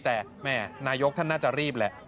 แต่แม่นายกท่านน่าจะรีบแหละ